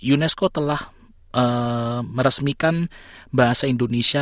unesco telah meresmikan bahasa indonesia